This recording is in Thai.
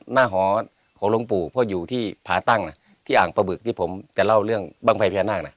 หอของหลวงปู่เพราะอยู่ที่ผาตั้งนะที่อ่างปลาบึกที่ผมจะเล่าเรื่องบ้างไฟพญานาคนะ